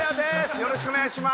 よろしくお願いしまー